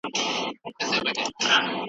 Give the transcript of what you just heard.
د خوراک توکي د تاريخ وڅارئ.